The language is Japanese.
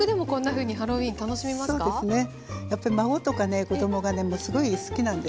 やっぱり孫とかね子供がねもうすごい好きなんです。